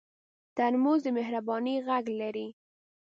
ترموز د مهربانۍ غږ لري.